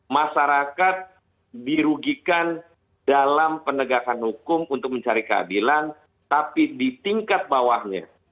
masyarakat dirugikan dalam penegakan hukum untuk mencari keadilan tapi di tingkat bawahnya